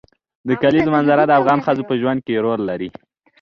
د کلیزو منظره د افغان ښځو په ژوند کې رول لري.